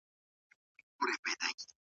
کورنی نظم به ښه شي.